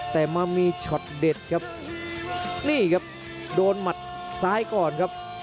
แต่มามีช็อตเด็ดครับนี่ครับโดนหมัดซ้ายก่อนครับ